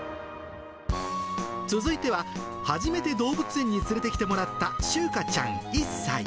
続いては初めて動物園に連れてきてもらったしゅうかちゃん１歳。